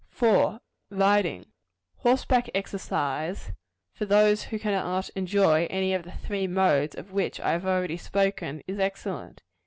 4. Riding. Horseback exercise, for those who cannot enjoy any of the three modes of which I have already spoken, is excellent.